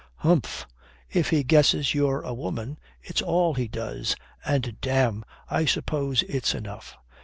"Humph. If he guesses you're a woman, it's all he does. And, damme, I suppose it's enough.